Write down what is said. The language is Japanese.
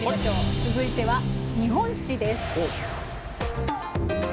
続いては「日本史」です。